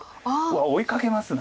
わあ追いかけますね。